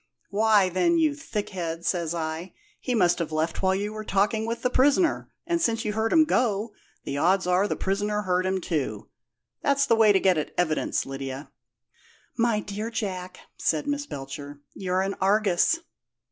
'Why, then, you thickhead,' says I, 'he must have left while you were talking with the prisoner; and since you heard him go, the odds are the prisoner heard him, too.' That's the way to get at evidence, Lydia." "My dear Jack," said Miss Belcher, "you're an Argus!"